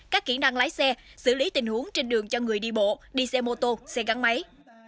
các kỹ năng lái xe xử lý tình huống trên đường cho người đi bộ đi xe mô tô xe gắn máy